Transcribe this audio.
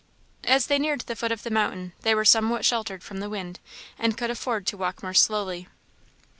As they neared the foot of the mountain, they were somewhat sheltered from the wind, and could afford to walk more slowly.